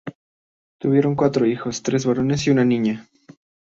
Tuvieron cuatro hijos, tres varones y una niña.